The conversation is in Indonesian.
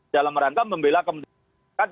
dalam rangka membela kementerian pendidikan